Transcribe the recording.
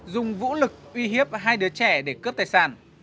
dùng vũ lực uy hiếp hai đứa trẻ để cướp tài sản